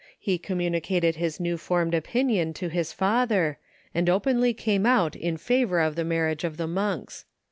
He communicated his new formed opinion to his father, and openly came out in favor of the marriage of the monks.